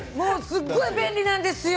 すごく便利なんですよ